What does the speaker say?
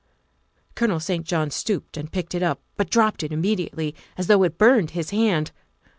Colonel St. John stooped and picked it up, but dropped it immediately as though it burned his hand.